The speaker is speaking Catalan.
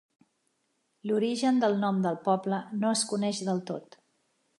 L'origen del nom del poble no es coneix del tot.